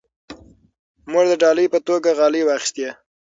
موږ د ډالۍ په توګه غالۍ واخیستې.